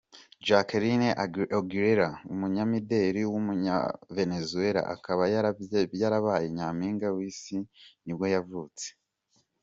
Jacqueline Aguilera, umunyamideli w’umunyavenezuela akaba yarabaye nyampinga w’isi mu nibwo yavutse.